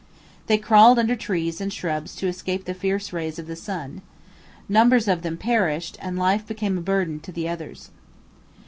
They crawled under trees and shrubs to escape the fierce rays of the sun. Numbers of them perished and life became a burden to the others.